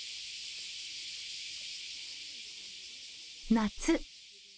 夏。